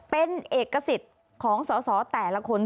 เป็นเอกสิทธิ์ของสอสอแต่ละคน